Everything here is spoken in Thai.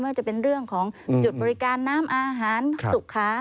ว่าจะเป็นเรื่องของจุดบริการน้ำอาหารสุขา